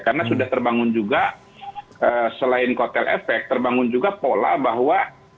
karena sudah terbangun juga selain kotel efek terbangun juga pola bahwa